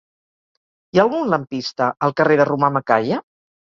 Hi ha algun lampista al carrer de Romà Macaya?